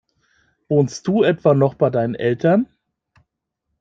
Wohnst du etwa noch bei deinen Eltern?